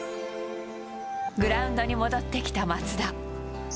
グラウンドに戻ってきた松田。